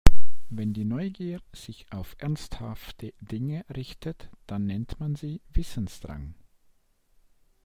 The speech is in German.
Wenn die Neugier sich auf ernsthafte Dinge richtet, dann nennt man sie Wissensdrang.